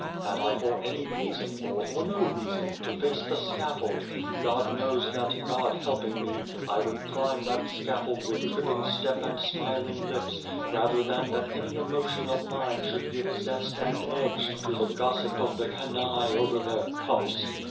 Had I for any reason, or for no reason, to face the scaffold, God knows that, God helping me, I would climb that scaffold with tripping step and smiling lips, rather than that any emotion of mine should 112 Beyond the Door give zest and edge to the gossip of the canaille over their cups.